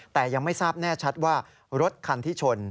แต่ยังไม่ทราบแน่ชัดว่ารถคันที่ชน